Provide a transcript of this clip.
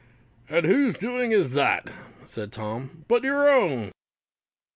"And whose doing is it," said Tom, "but your own?"